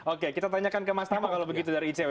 oke kita tanyakan ke mas tama kalau begitu dari icw